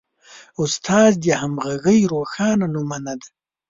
استاد د همغږۍ روښانه نمونه ده.